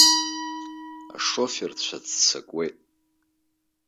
Ашоферцәа ццакуеит.